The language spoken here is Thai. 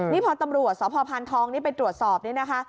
นี่พอตำรวจสพพานทองนี่ไปตรวจสอบนี่นะคะ